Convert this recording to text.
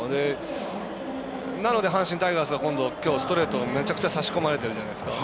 なので、阪神タイガースはきょう、今度はストレートめちゃくちゃ差し込まれてるじゃないですか。